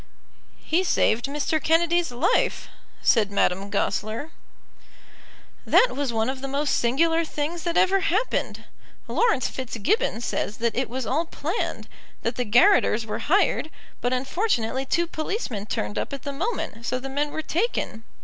"He saved Mr. Kennedy's life," said Madame Goesler. "That was one of the most singular things that ever happened. Laurence Fitzgibbon says that it was all planned, that the garotters were hired, but unfortunately two policemen turned up at the moment, so the men were taken.